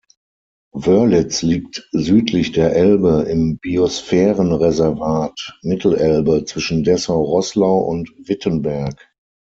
Wörlitz liegt südlich der Elbe im Biosphärenreservat Mittelelbe zwischen Dessau-Roßlau und Wittenberg.